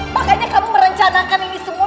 makanya kamu merencanakan ini semua